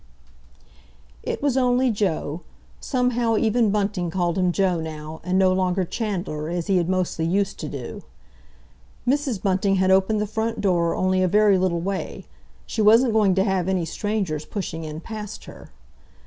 It was only Joe. Somehow, even Bunting called him "Joe" now, and no longer "Chandler," as he had mostly used to do. Mrs. Bunting had opened the front door only a very little way. She wasn't going to have any strangers pushing in past her.